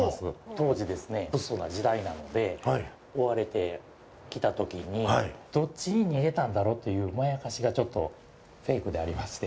当時ですね、物騒な時代なので追われてきたときにどっちに逃げたんだろうというまやかしがちょっとフェイクでありまして。